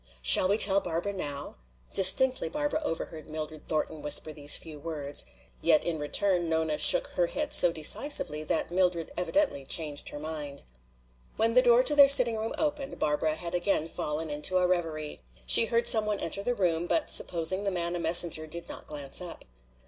"Shall we tell Barbara now?" Distinctly Barbara overheard Mildred Thornton whisper these few words. Yet in return Nona shook her head so decisively that Mildred evidently changed her mind. When the door to their sitting room opened Barbara had again fallen into a reverie. She heard some one enter the room, but supposing the man a messenger did not glance up.